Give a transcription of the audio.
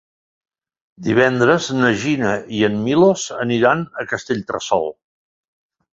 Divendres na Gina i en Milos aniran a Castellterçol.